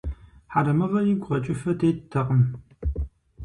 Хьэрэмыгъэ игу къэкӀыфэ теттэкъым.